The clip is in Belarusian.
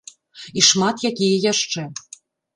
І шмат якія яшчэ.